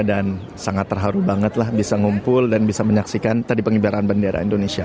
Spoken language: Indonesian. dan sangat terharu banget lah bisa ngumpul dan bisa menyaksikan tadi pengibaran bendera indonesia